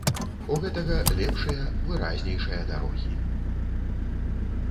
У гэтага лепшыя, выразнейшыя дарогі.